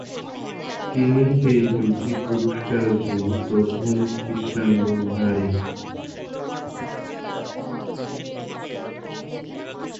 তিনি এই দুটি পুরস্কার জয়ী প্রথম কৃষ্ণাঙ্গ নারী।